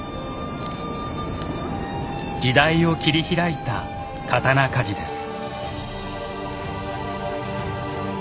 時代を切り開いた刀鍛冶です。